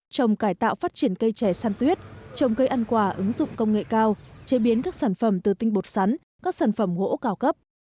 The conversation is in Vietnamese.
trồng cải tạo phát triển cây trẻ săn tuyết trồng cây ăn quả ứng dụng công nghệ cao chế biến các sản phẩm từ tinh bột sắn các sản phẩm gỗ cao cấp